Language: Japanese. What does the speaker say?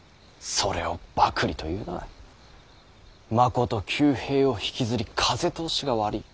それを幕吏というのはまこと旧弊を引きずり風通しが悪ぃ。